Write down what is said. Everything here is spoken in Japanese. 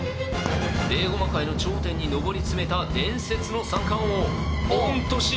ベーゴマ界の頂点に上り詰めた伝説の三冠王御年６１！